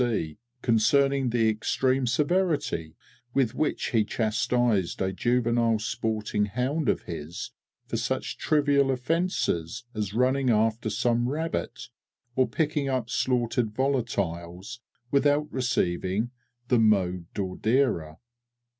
C., concerning the extreme severity with which he chastised a juvenile sporting hound of his for such trivial offences as running after some rabbit, or picking up slaughtered volatiles without receiving the mot d'ordre!